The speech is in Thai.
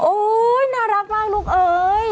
น่ารักมากลูกเอ้ย